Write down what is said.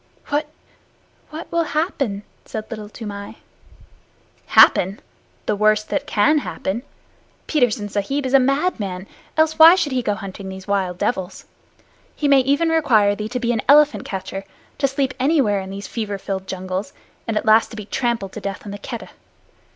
"What what will happen?" said Little Toomai. "Happen! The worst that can happen. Petersen Sahib is a madman. Else why should he go hunting these wild devils? He may even require thee to be an elephant catcher, to sleep anywhere in these fever filled jungles, and at last to be trampled to death in the Keddah.